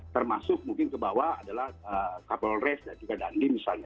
termasuk mungkin kebawah adalah kapolres dan juga dandi misalnya